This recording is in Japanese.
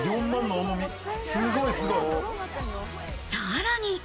さらに。